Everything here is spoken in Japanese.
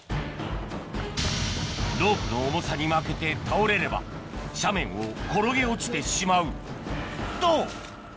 ロープの重さに負けて倒れれば斜面を転げ落ちてしまうと！